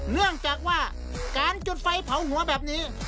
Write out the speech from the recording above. เนื่องจากว่าการจุดไฟเผาหัวแบบนี้